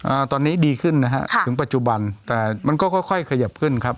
อ่าตอนนี้ดีขึ้นนะฮะค่ะถึงปัจจุบันแต่มันก็ค่อยค่อยขยับขึ้นครับ